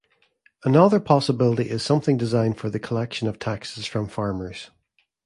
Another possibility is something designed for the collection of taxes from farmers.